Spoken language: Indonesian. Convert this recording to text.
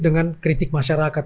dan kritik masyarakat